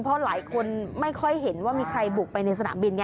เพราะหลายคนไม่ค่อยเห็นว่ามีใครบุกไปในสนามบินไง